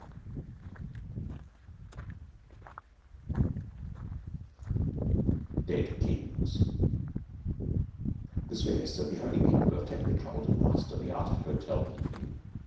V DEAD KINGS The Swiss are the only people who have taken the trouble to master the art of hotel keeping.